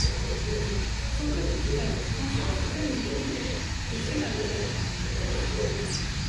Son petit frère, François Kaniki, est sénateur.